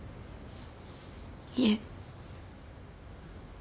いえ。